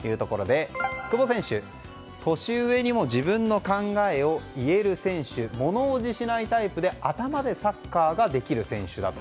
久保選手、年上にも自分の考えを言える選手物おじしないタイプで頭でサッカーができる選手だと。